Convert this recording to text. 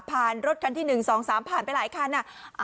รถคันที่๑๒๓ผ่านไปหลายคัน